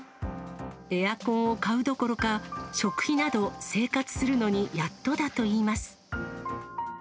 エアコンを買うどころか、食費など生活するのにやっとだといいます。